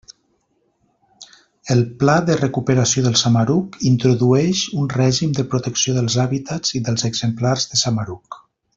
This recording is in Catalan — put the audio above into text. El Pla de Recuperació del Samaruc introdueix un règim de protecció dels hàbitats i dels exemplars de samaruc.